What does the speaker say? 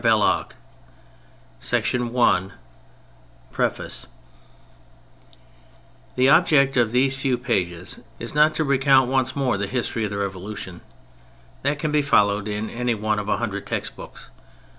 ^1^ t U GIFT cV^ PREFACE The object of these few pages is not to recount once more the history of the Revolu tion : that can be followed in any one of a hundred text books.